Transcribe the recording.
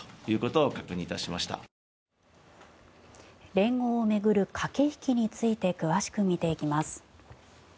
連合を巡る駆け引きについて詳しく見ていきます。